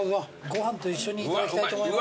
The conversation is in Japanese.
ご飯と一緒にいただきたいと思います。